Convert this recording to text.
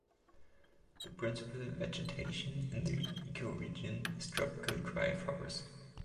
The principal vegetation in the ecoregion is tropical dry forest.